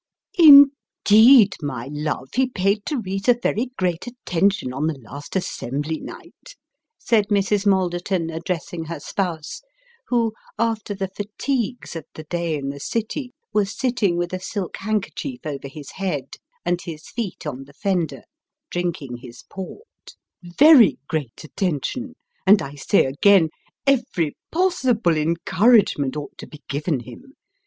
" INDEED, my love, he paid Teresa very great attention on the last assembly night," said Mrs. Malderton, addressing her spouse, who after the fatigues of the day in the City, was sitting with a silk hand kerchief over his head, and his feet on the fender, drinking his port ;" very great attention ; and I say again, every possible encouragement ought to be given him.